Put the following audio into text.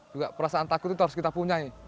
juga perasaan takut itu harus kita punya